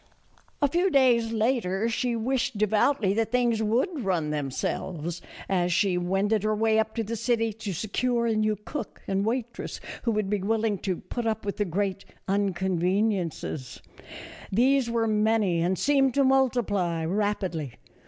A few days later she wished devoutly that things A FURNISHED COTTAGE BY THE SEA. 221 would run themselves, as she wended her way up to the city to secure a new cook and waitress who would be willing to put up with the great " uncon vaniences." These were many and seemed to mul tiply rapidly.